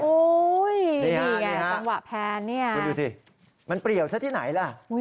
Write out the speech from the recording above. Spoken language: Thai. โอ้โฮนี่ไงจังหวะแพนนี่มันเปรียวซะที่ไหนล่ะคุณดูสิ